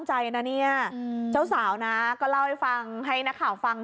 เจ้าสาวนะก็เล่าให้ฟังให้หน้าข่าวฟัง